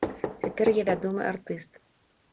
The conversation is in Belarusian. Цяпер я вядомы артыст.